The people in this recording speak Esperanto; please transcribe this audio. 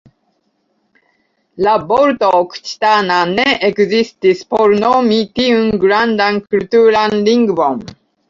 La vorto "okcitana" ne ekzistis por nomi tiun grandan kulturan lingvon.